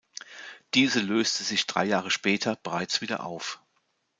Diese löste sich drei Jahre später bereits wieder auf.